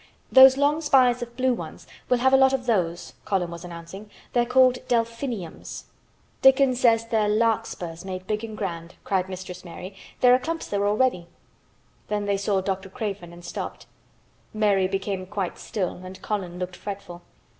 "Those long spires of blue ones—we'll have a lot of those," Colin was announcing. "They're called Del phin iums." "Dickon says they're larkspurs made big and grand," cried Mistress Mary. "There are clumps there already." Then they saw Dr. Craven and stopped. Mary became quite still and Colin looked fretful.